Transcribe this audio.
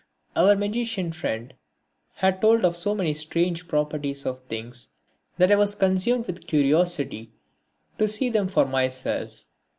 Our magician friend had told of so many strange properties of things that I was consumed with curiosity to see them for myself.